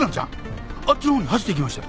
あっちの方に走っていきましたよ。